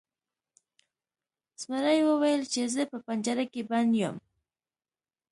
زمري وویل چې زه په پنجره کې بند یم.